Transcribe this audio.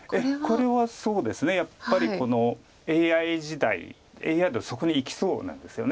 これはやっぱりＡＩ時代ＡＩだとそこにいきそうなんですよね。